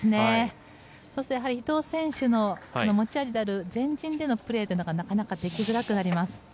そして、伊藤選手の持ち味である前陣でのプレーがなかなかできづらくなります。